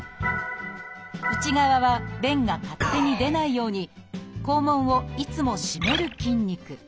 内側は便が勝手に出ないように肛門をいつも締める筋肉。